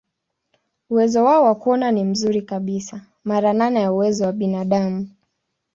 Uwezo wao wa kuona ni mzuri kabisa, mara nane ya uwezo wa binadamu.